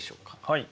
はい。